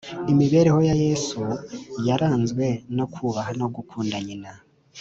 Imibereho ya Yesu yaranzwe no kubaha no gukunda nyina.